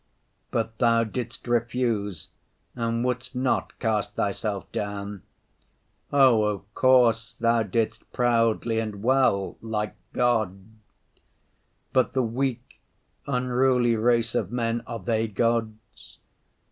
But Thou didst refuse and wouldst not cast Thyself down. Oh, of course, Thou didst proudly and well, like God; but the weak, unruly race of men, are they gods?